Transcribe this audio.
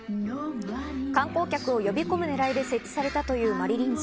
観光客を呼び込むねらいで設置されたというマリリン像。